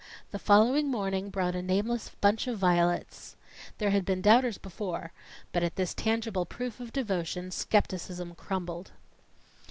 The following morning brought a nameless bunch of violets. There had been doubters before but at this tangible proof of devotion, skepticism crumbled.